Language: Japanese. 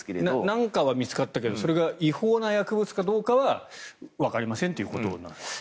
何かは見つかったけどそれが違法な薬物かどうかはわかりませんということなんですね。